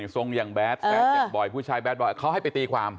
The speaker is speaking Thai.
ส่งอย่างแดดแดดอย่างบ่อยผู้ชายแดดบ่อยเขาให้ไปตีความ